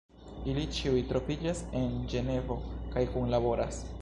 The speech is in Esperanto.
Ili ĉiuj troviĝas en Ĝenevo kaj kunlaboras.